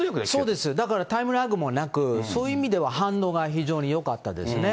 そうです、ですからタイムラグもなく、そういう意味では反応が非常によかったですね。